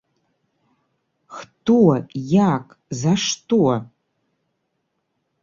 Хто, як, за што?!.